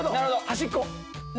端っこ。